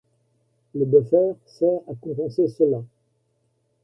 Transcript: Le buffer sert à compenser cela.